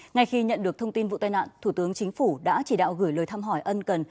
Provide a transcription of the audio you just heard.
ngay khi nhận được thông tin vụ tai nạn thủ tướng chính phủ đã chỉ đạo gửi lời thăm hỏi ân cần